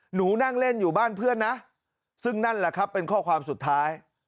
หนูนั่งเล่นอยู่บ้านเพื่อนนะซึ่งนั่นแหละครับเป็นข้อความสุดท้าย